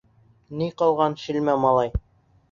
Ни ҡылған шилма малай?